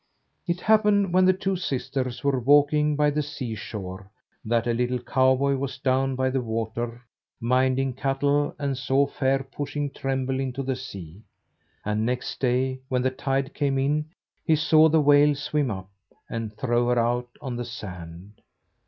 It happened, when the two sisters were walking by the seashore, that a little cowboy was down by the water minding cattle, and saw Fair push Trembling into the sea; and next day, when the tide came in, he saw the whale swim up and throw her out on the sand.